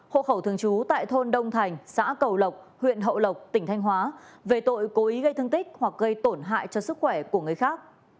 hộ khẩu thường trú tại thôn đông thành xã cầu lộc huyện hậu lộc tỉnh thanh hóa về tội cố ý gây thương tích hoặc gây tổn hại cho sức khỏe của người khác